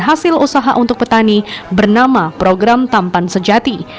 hasil usaha untuk petani bernama program tampan sejati